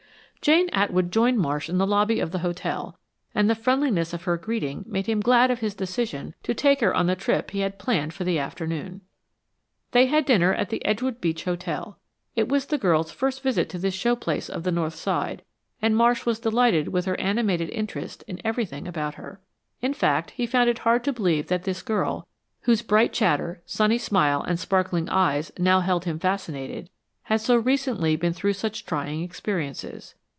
Jane Atwood joined Marsh in the lobby of the hotel, and the friendliness of her greeting made him glad of his decision to take her on the trip he had planned for the afternoon. They had dinner at the Edgewater Beach Hotel. It was the girl's first visit to this show place of the North Side, and Marsh was delighted with her animated interest in everything about her. In fact, he found it hard to believe that this girl, whose bright chatter, sunny smile and sparkling eyes now held him fascinated, had so recently been through such trying experiences.